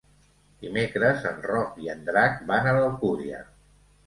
Dimecres en Roc i en Drac van a l'Alcúdia.